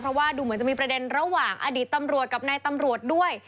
เพราะว่าดูเหมือนจะมีประเด็นระหว่างอดีตตำรวจกับนายตำรวจด้วย